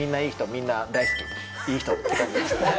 みんな大好きいい人って感じですね